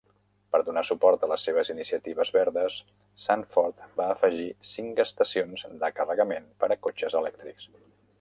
Per donar suport a les seves iniciatives verdes, Sanford va afegir cinc estacions de carregament per a cotxes elèctrics.